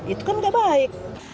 itu kan nggak baik